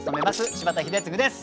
柴田英嗣です。